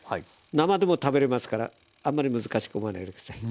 生でも食べれますからあんまり難しく思わないで下さい。